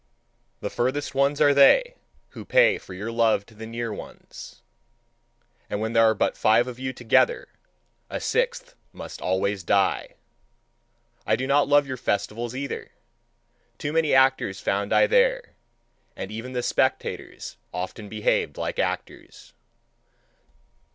The furthest ones are they who pay for your love to the near ones; and when there are but five of you together, a sixth must always die. I love not your festivals either: too many actors found I there, and even the spectators often behaved like actors.